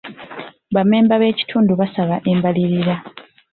Ba mmemba b'ekitundu baasaba embalirira.